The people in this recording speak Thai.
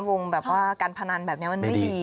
วงแบบว่าการพนันแบบนี้มันไม่ดีนะครับไม่ดี